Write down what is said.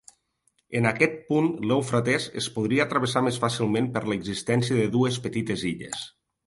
En aquest punt l'Eufrates es podia travessar més fàcilment per l'existència de dues petites illes.